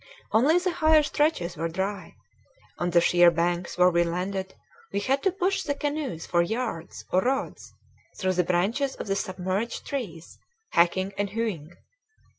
Only the higher stretches were dry. On the sheer banks where we landed we had to push the canoes for yards or rods through the branches of the submerged trees, hacking and hewing.